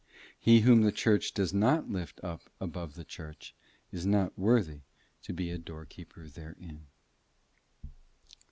He whom the church does not lift up above the church is not worthy to be a doorkeeper therein.